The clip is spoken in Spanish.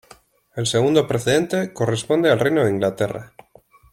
El segundo precedente corresponde al Reino de Inglaterra.